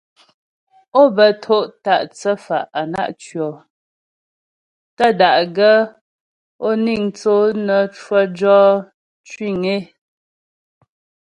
Ó bə to' ta' thə́fa' á na' tʉɔ, tə́ da'gaə́ ó niŋ thə́ ǒ nə́ cwə jɔ cwiŋ ée.